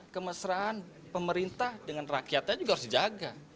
kemesraan pemerintah dengan rakyatnya juga harus dijaga